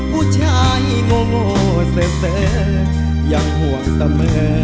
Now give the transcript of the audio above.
ผู้ชายโง่โง่เสริมเสริมยังห่วงเสมอ